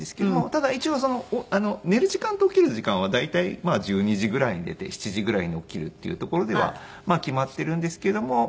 ただ一応寝る時間と起きる時間は大体１２時ぐらいに寝て７時ぐらいに起きるっていうところでは決まっているんですけども。